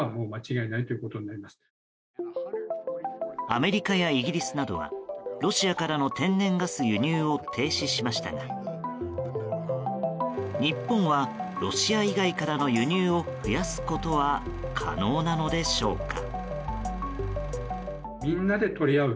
アメリカやイギリスなどはロシアからの天然ガス輸入を停止しましたが日本はロシア以外からの輸入を増やすことは可能なのでしょうか。